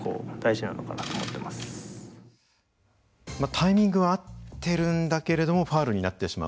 「タイミングは合ってるんだけれどもファウルになってしまう」。